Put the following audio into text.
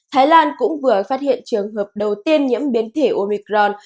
thái lan cũng vừa phát hiện trường hợp đầu tiên nhiễm biến thể omicron